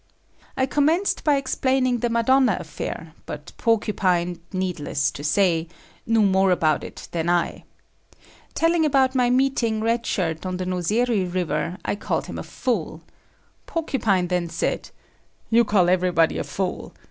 I commenced by explaining the Madonna affair, but Porcupine, needless to say, knew more about it than I. Telling about my meeting Red Shirt on the Nozeri river, I called him a fool. Porcupine then said; "You call everybody a fool.